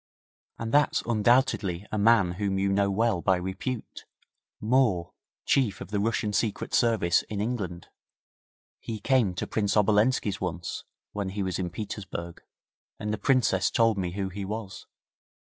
'And that's undoubtedly a man whom you know well by repute Moore, Chief of the Russian Secret Service in England. He came to Prince Obolenski's once, when he was in Petersburg, and the Princess told me who he was.'